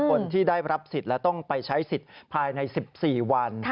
คนที่ได้รับสิทธิ์และต้องไปใช้สิทธิ์ภายใน๑๔วัน